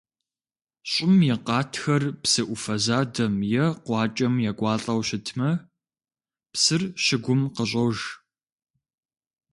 ЩӀым и къатхэр псы Ӏуфэ задэм е къуакӀэм екӀуалӀэу щытмэ, псыр щыгум къыщӀож.